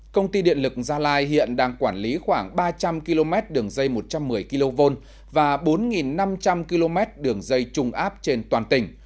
công ty điện lực gia lai hiện đang quản lý khoảng ba trăm linh km đường dây một trăm một mươi kv và bốn năm trăm linh km đường dây trùng áp trên toàn tỉnh